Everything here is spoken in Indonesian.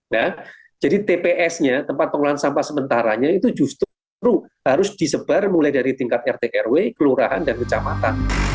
nah jadi tps nya tempat pengelolaan sampah sementaranya itu justru harus disebar mulai dari tingkat rt rw kelurahan dan kecamatan